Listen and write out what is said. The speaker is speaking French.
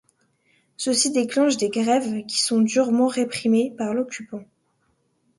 Ceci déclenche des grèves qui sont durement réprimées par l'occupant.